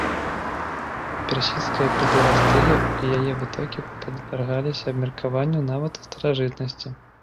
Персідская педэрастыя і яе вытокі падвяргаліся абмеркаванню нават у старажытнасці.